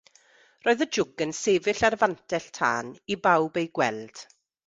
Roedd y jwg yn sefyll ar y fantell tân, i bawb ei gweld.